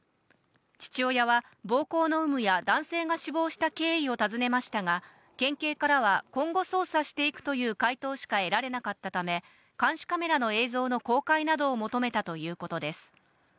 父親は暴行の有無や男性が死亡した経緯を尋ねましたが、県警からは今後捜査していくという回答しか得られなかったため、監視カメラの映像の公開などを求めたということです。